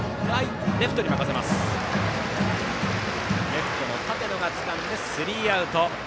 レフト、舘野がつかんでスリーアウト。